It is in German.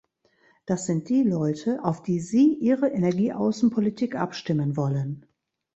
Das sind die Leute, auf die Sie Ihre Energieaußenpolitik abstimmen wollen.